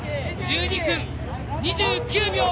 １２分２９秒！